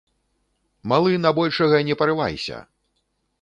Малы на большага не парывайся!